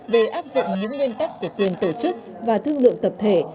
về áp dụng những nguyên tắc của quyền tổ chức và thương lượng tập thể